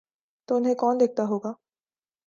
تو انہیں کون دیکھتا ہو گا؟